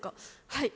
はい。